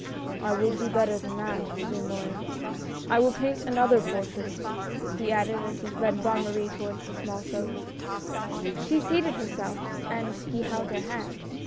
"I will do better than that," resumed Morin, "I will paint another portrait of you," he added as he led Bonne Marie towards the small sofa. 170 HOPES. She seated herself and he held her hand.